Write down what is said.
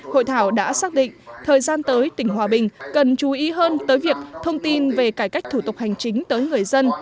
hội thảo đã xác định thời gian tới tỉnh hòa bình cần chú ý hơn tới việc thông tin về cải cách thủ tục hành chính tới người dân